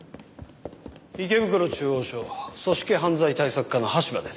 池袋中央署組織犯罪対策課の羽柴です。